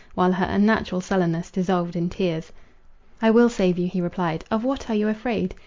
while her unnatural sullenness dissolved in tears. "I will save you," he replied, "of what are you afraid?